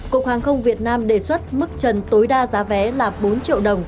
cục hàng không việt nam đề xuất mức trần tối đa giá vé là bốn triệu đồng